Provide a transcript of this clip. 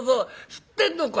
知ってんのか！